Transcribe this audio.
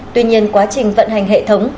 tuy nhiên quá trình vận hành hệ thống